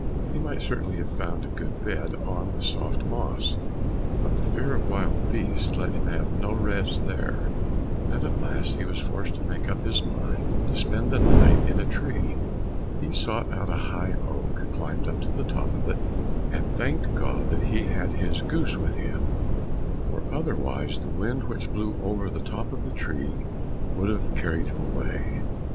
He might certainly have found a good bed on the soft moss, but the fear of wild beasts let him have no rest there, and at last he was forced to make up his mind to spend the night in a tree. He sought out a high oak, climbed up to the top of it, and thanked God that he had his goose with him, for otherwise the wind which blew over the top of the tree would have carried him away.